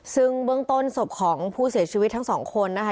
ซึ่งเบื้องต้นศพของผู้เสียชีวิตทั้งสองคนนะคะ